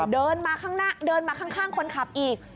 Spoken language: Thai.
เดินมาข้างหน้าเดินมาข้างคนขับอีก